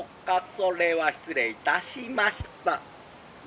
それは失礼いたしました」。